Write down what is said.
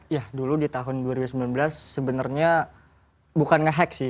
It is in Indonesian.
ya dulu di tahun dua ribu sembilan belas sebenarnya bukan nge hack sih